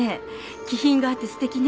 気品があってすてきね